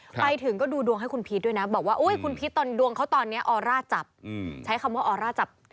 ไปถึงก็ดูดวงให้คุณพีชด้วยนะบอกว่าอุ้ยคุณพีชตอนดวงเขาตอนนี้ออร่าจับใช้คำว่าออร่าจับ